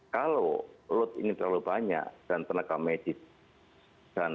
kalau lot ini terlalu banyak dan tenaga medis dan tenaga kesehatan